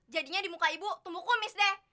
jadinya di muka ibu tumbuh kumis deh